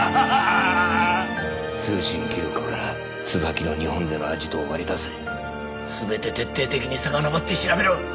通信記録から椿の日本でのアジトを割り出せ全て徹底的にさかのぼって調べろ